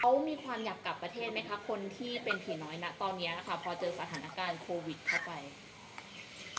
เขามีความอยากกลับประเทศไหมคะคนที่เป็นผีน้อยนะตอนนี้ค่ะพอเจอสถานการณ์โควิดเข้าไป